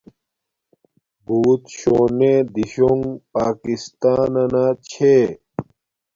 بوت شونے دیشونگ پاکستانانا چھے